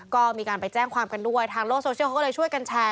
ก็มีการไปแจ้งความกันด้วยทางโลกโซเชียลเขาก็เลยช่วยกันแชร์